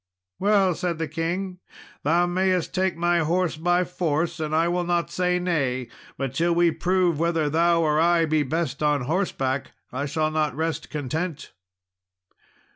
"Well," said the king, "thou mayest take my horse by force, and I will not say nay; but till we prove whether thou or I be best on horseback, I shall not rest content."